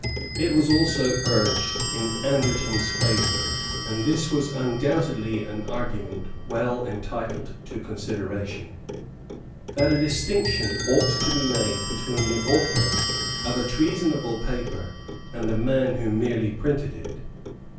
It was also urged in Anderton's favour, and this was undoubtedly an argument well entitled to consideration, that a distinction ought to be made between the author of a treasonable paper and the man who merely printed it.